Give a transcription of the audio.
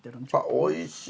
おいしい！